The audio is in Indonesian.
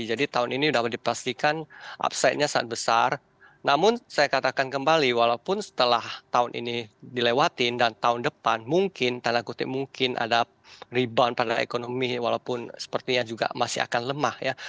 jadi tahun ini dapat dipastikan upside nya sangat besar namun saya katakan kembali walaupun setelah tahun ini dilewati dan tahun depan mungkin tanda kutip mungkin ada rebound pada ekonomi walaupun sepertinya juga masih akan lemah ya